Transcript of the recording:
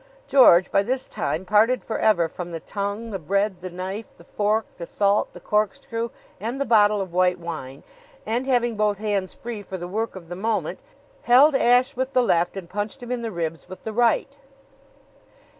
George, by this time parted forever from the tongue, the bread, the knife, the fork, the salt, the corkscrew and the bottle of white wine, and having both hands free for the work of the moment, held Ashe with the left and punched him in the ribs with the right.